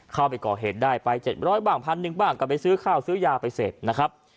เข้าไปก่อเหตุได้ไป๗๐๐บ้างพันหนึ่งบ้างก็ไปซื้อข้าวซื้อยาไปเสพนะครับ